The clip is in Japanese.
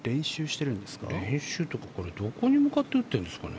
練習っていうかこれ、どこに向かって打ってるんですかね。